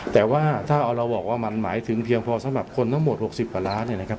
แต่ว่าถ้าเราบอกว่ามันหมายถึงเพียงพอสำหรับคนทั้งหมด๖๐กว่าล้านเนี่ยนะครับ